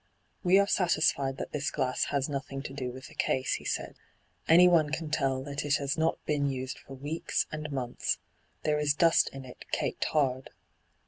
* We are satisfied that this glass has nothing to do with the case,' he said. ' Anyone can tell that it has not been used for weeks and months — there is dust in it caked hard.'